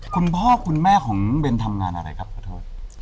คุณพ่อคุณแม่ของเบนทำงานอะไรครับขอโทษ